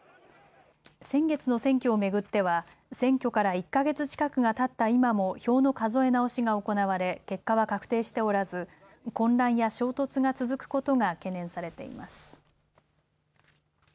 先月の選挙を巡っては選挙から１か月近くがたった今も票の数え直しが行われ結果は確定しておらず混乱や衝突が続くことが懸念されています。